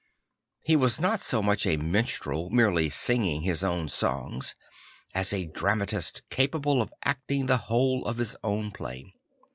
He was not so much a minstrel merely singing his own songs as a dramatist capable of acting the 'whole of his own play.